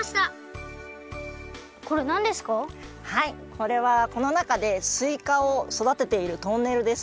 これはこのなかですいかをそだてているトンネルです。